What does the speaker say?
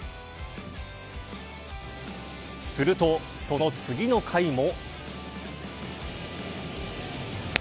すると、その次の回も。